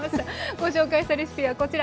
ご紹介したレシピはこちら。